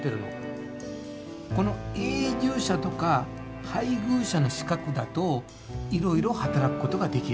この「永住者」とか「配偶者」の資格だといろいろ働くことができる。